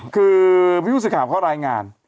คือพี่ผู้สื่อข่าวเขารายงาน